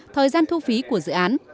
thời gian thu phí của dự án